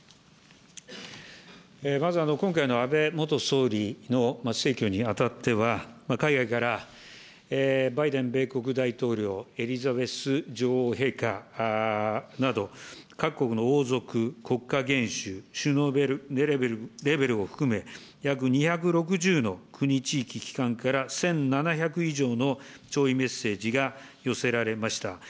まず、今回の安倍元総理の逝去にあたっては、海外から、バイデン米国大統領、エリザベス女王陛下など、各国の王族、国家元首、首脳レベルを含め、約２６０の国、地域、機関から１７００以上の弔意メッセージが寄せられました。